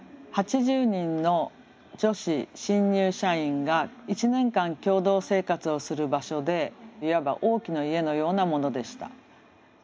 ８０人の女子新入社員が１年間共同生活をする場所でいわば大きな家のようなものでした。